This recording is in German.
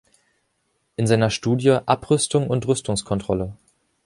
In seiner Studie „Abrüstung und Rüstungskontrolle.